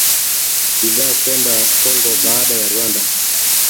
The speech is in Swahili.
bidhaa kwenda Kongo baada ya Rwanda